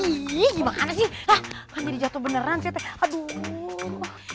ih gimana sih hah kan jadi jatuh beneran tete aduh